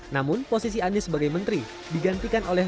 namun posisi anis sebagai menteri digantikan oleh pertanj revolves